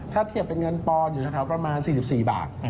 ถ้าเทียบเป็นเงินปลอดอยู่แถวประมาณ๔๔บาท